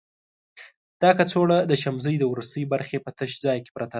دا کڅوړه د شمزۍ د وروستي برخې په تش ځای کې پرته ده.